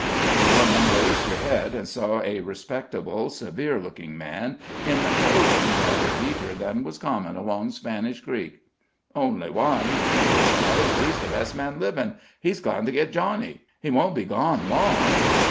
The woman raised her head, and saw a respectable, severe looking man, in clothing rather neater than was common along Spanish Creek. "Only one," she replied, "and he's the best man livin'. He's gone to get Johnny he won't be gone long."